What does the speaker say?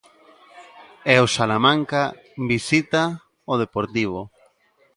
E o Salamanca visita o Deportivo.